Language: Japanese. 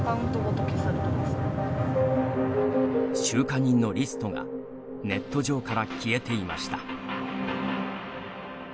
収貨人のリストがネット上から消えていました。